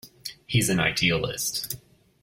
He's an idealist.